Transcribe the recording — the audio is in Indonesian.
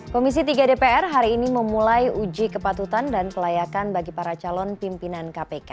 komisi tiga dpr hari ini memulai uji kepatutan dan kelayakan bagi para calon pimpinan kpk